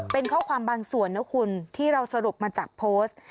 เป็นข้อความบางส่วนนะคุณที่เราสรุปมาจากโพสต์